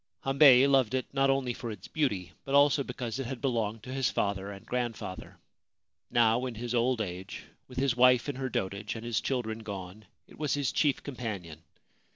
Hambei loved it not only for its beauty but also because it had belonged to his father and grandfather. Now in his old age, with his wife in her dotage and his children gone, it was his chief companion.